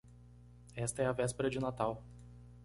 Esta é a véspera de Natal.